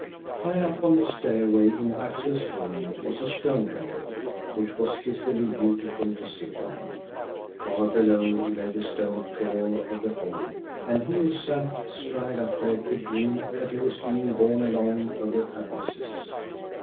High up on the stairway in Axel's home was a stone railing, which was dizzily beautiful to sit on. Far below lay the stone floor of the hall, and he who sat astride up there could dream that he was being borne along over abysses.